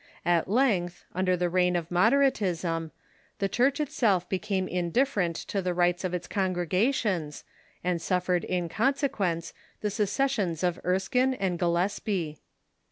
At length, under the reign of Moderatism, the Church itself became indifferent to the rights of its congregations, and suffered in consequence the secessions of Erskine and Gillespie.